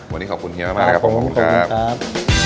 วันนี้ขอบคุณเฮียมากครับขอบคุณครับขอบคุณครับขอบคุณครับ